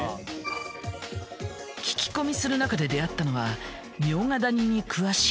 聞き込みする中で出会ったのは茗荷谷に詳しい